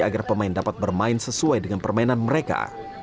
agar pemain dapat bermain sesuai dengan permainan mereka